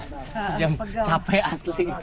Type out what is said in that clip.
sejam capek asli